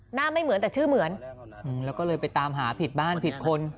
หน้าไม่เหมือนแต่ชื่อเหมือนแล้วก็เลยไปตามหาผิดบ้านผิดคน